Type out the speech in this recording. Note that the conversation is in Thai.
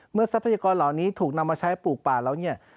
ทรัพยากรเหล่านี้ถูกนำมาใช้ปลูกป่าแล้วเนี่ย